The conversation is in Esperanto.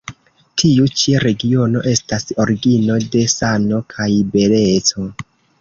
Tiu ĉi regiono estas origino de sano kaj beleco.